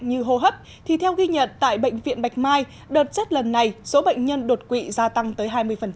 như hô hấp thì theo ghi nhận tại bệnh viện bạch mai đợt rét lần này số bệnh nhân đột quỵ gia tăng tới hai mươi